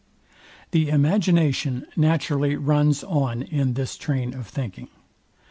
The imagination naturally runs on in this train of thinking.